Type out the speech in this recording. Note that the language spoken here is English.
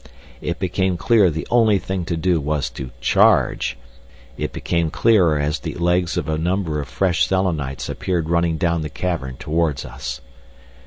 It became clear the only thing to do was to charge! It became clearer as the legs of a number of fresh Selenites appeared running down the cavern towards us.